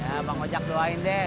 ya bang ojak doanya